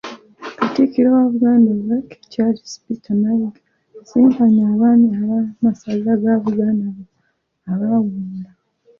Katikkiro wa Buganda Owek.Charles Peter Mayiga asisinkanye abaami b'amasaza ga Buganda abaawummula.